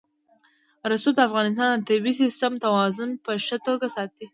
رسوب د افغانستان د طبعي سیسټم توازن په ښه توګه ساتي.